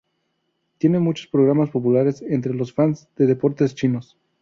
Tiene muchos programas populares entre los fans de deportes chinos.